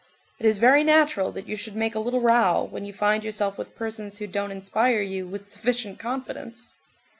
It is very natural that you should make a little row when you find yourself with persons who don't inspire you with sufficient confidence.